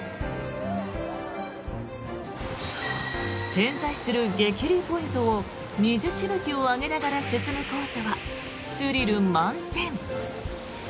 点在する激流ポイントを水しぶきを上げながら進むコースはスリル満点。